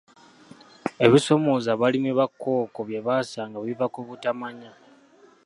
Ebisoomooza abalimi ba kkooko bye basanga biva ku butamanya.